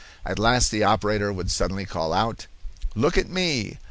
At last the operator would suddenly call out: "Look at me!"